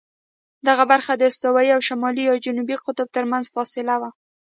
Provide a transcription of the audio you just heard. دغه برخه د استوا او شمالي یا جنوبي قطب ترمنځ فاصله وه.